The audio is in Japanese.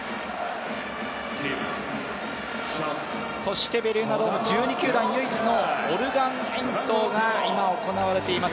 そしてベルーナドーム、１２球団唯一のオルガン演奏が行われています。